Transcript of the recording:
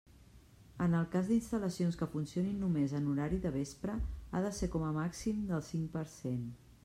En el cas d'instal·lacions que funcionin només en horari de vespre ha de ser com a màxim del cinc per cent.